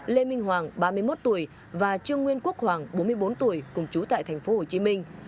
lê minh hoàng ba mươi một tuổi và trương nguyên quốc hoàng bốn mươi bốn tuổi cùng chú tại thành phố hồ chí minh